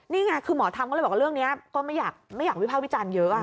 นี่ไงคือหมอธรรมก็เลยบอกว่าเรื่องนี้ก็ไม่อยากวิภาควิจารณ์เยอะ